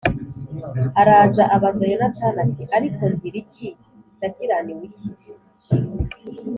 araza abaza Yonatani ati “Ariko nzira iki? Nakiraniwe iki?